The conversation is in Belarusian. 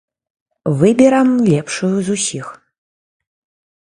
Выберам лепшую з усіх.